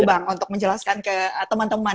bang untuk menjelaskan ke teman teman